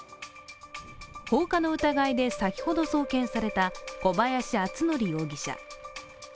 放火の疑いで先ほど送検された小林篤典容疑者。